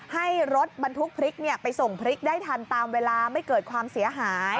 ให้รถบรรทุกพริกไปส่งพริกได้ทันตามเวลาไม่เกิดความเสียหาย